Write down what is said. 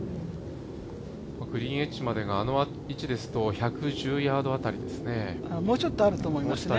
グリーンエッジまでがあの位置ですと１１０ヤードぐらいですかね。